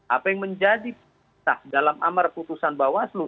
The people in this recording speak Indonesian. apa yang menjadi sah dalam amar putusan bawaslu